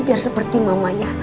biar seperti mamanya